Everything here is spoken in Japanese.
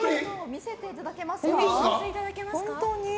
見せていただけますか？